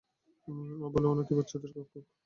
ও বলে ও নাকি বাচ্চাদের রক্ষক।